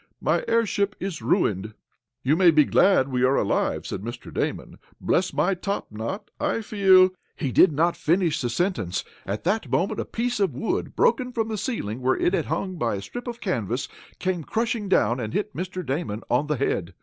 My airship is ruined!" "You may be glad we are alive," said Mr. Damon. "Bless my top knot, I feel " He did not finish the sentence. At that moment a piece of wood, broken from the ceiling, where it had hung by a strip of canvas came crashing down, and hit Mr. Damon on the head.